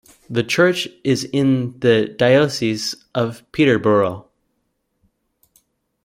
The church is in the Diocese of Peterborough.